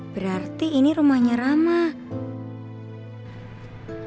berarti ini rumahnya ramah